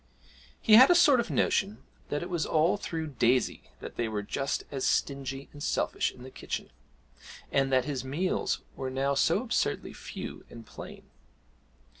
He had a sort of notion that it was all through Daisy that they were just as stingy and selfish in the kitchen, and that his meals were now so absurdly few and plain.